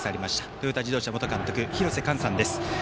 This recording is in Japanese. トヨタ自動車元監督廣瀬寛さんです。